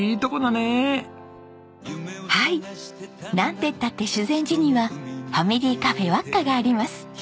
なんてったって修善寺にはファミリーカフェわっかがあります。